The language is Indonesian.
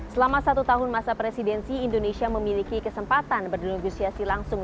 selama satu tahun masa presidensi indonesia memiliki kesempatan bernegosiasi langsung